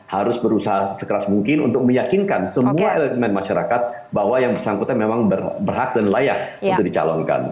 harus berusaha sekeras mungkin untuk meyakinkan semua elemen masyarakat bahwa yang bersangkutan memang berhak dan layak untuk dicalonkan